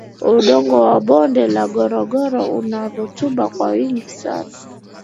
udongo wa bonde la ngorongoro una rutuba kwa wingi sana